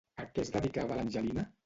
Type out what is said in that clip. A què es dedicava l'Angelina?